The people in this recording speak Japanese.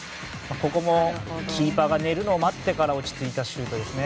ここもキーパーが寝るのを待ってから落ち着いたシュートですね。